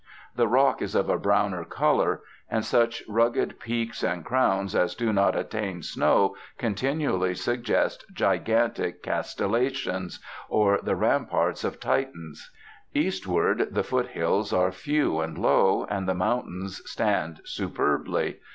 Their rock is of a browner colour, and such rugged peaks and crowns as do not attain snow continually suggest gigantic castellations, or the ramparts of Titans. Eastward, the foothills are few and low, and the mountains stand superbly.